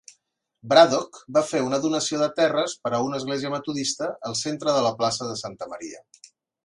Braddock va fer una donació de terres per a una església metodista al centre de la plaça de Santa Maria.